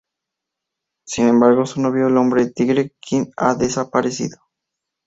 Sin embargo, su novio, el hombre tigre Quinn, ha desaparecido.